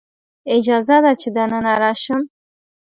اجازه ده چې دننه راشم؟